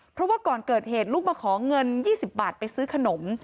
เพราะว่าก่อนเกิดเหตุลูกมาขอเงิน๒๐บาทไปซื้อขนม